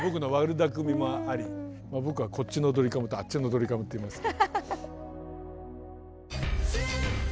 僕はこっちのドリカムとあっちのドリカムっていいますけど。